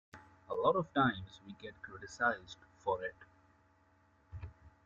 A lot of times we get criticised for it.